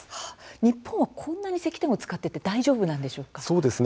日本はこんなに石炭を使っていて大丈夫なんでしょうか。